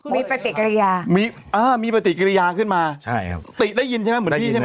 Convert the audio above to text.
มีปฏิกิริยามีปฏิกิริยาขึ้นมาใช่ครับได้ยินใช่ไหม